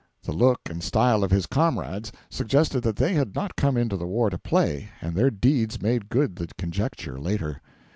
The look and style of his comrades suggested that they had not come into the war to play, and their deeds made good the conjecture later.